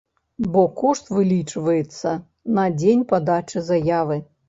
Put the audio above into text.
Бо кошт вылічваецца на дзень падачы заявы.